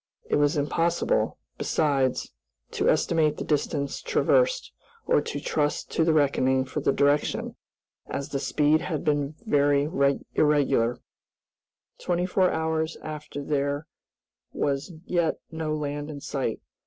It was impossible, besides, to estimate the distance traversed, or to trust to the reckoning for the direction, as the speed had been very irregular. Twenty four hours after there was yet no land in sight.